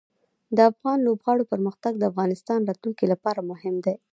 د افغان لوبغاړو پرمختګ د افغانستان راتلونکې لپاره مهم دی.